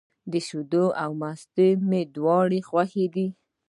شیدې او مستې مي دواړي خوښي دي.